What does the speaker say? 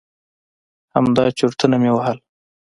همدا چرتونه مې وهل.